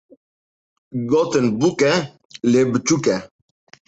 Gotin bûk e, lê biçûk e.